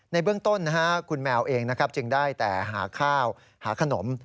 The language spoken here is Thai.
ในเบื้องต้นคุณแมวเองนะครับจึงได้แต่หาข้าวหาขนม